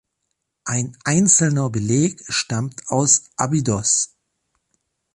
Ein einzelner Beleg stammt aus Abydos.